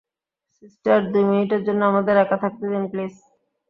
Sister, দুই মিনিটের জন্য আমাদের একা থাকতে দিন, প্লিজ।